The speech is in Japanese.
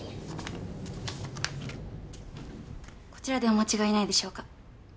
こちらでお間違いないでしょうか？